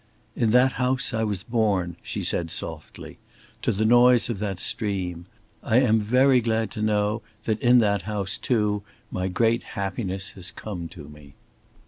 "In that house I was born," she said softly, "to the noise of that stream. I am very glad to know that in that house, too, my great happiness has come to me."